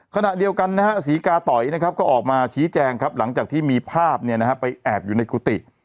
ขณะเดียวกันศรีกาต่อยก็ออกมาชี้แจงหลังจากที่มีภาพไปแอบอยู่ในกุฏิ